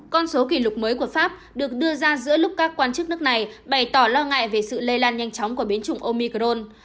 con số kỷ lục mới của pháp được đưa ra giữa lúc các quan chức nước này bày tỏ lo ngại về sự lây lan nhanh chóng của biến chủng omicron